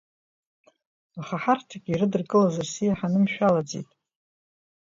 Аха ҳарҭгьы ирыдыркылаз рсиа ҳанымшәалаӡеит.